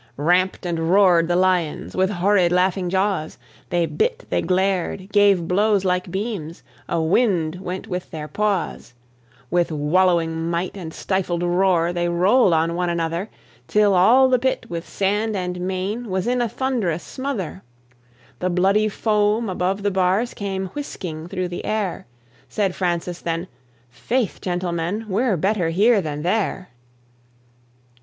Ramp'd and roar'd the lions, with horrid laughing jaws; They bit, they glared, gave blows like beams, a wind went with their paws; With wallowing might and stifled roar they rolled on one another, Till all the pit with sand and mane was in a thunderous smother; The bloody foam above the bars came whisking through the air; Said Francis then, "Faith, gentlemen, we're better here than there."